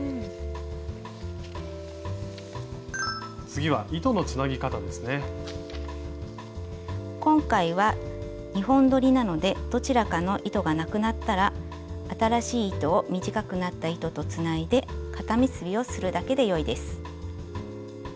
次は今回は２本どりなのでどちらかの糸がなくなったら新しい糸を短くなった糸とつないで固結びをするだけでよいです。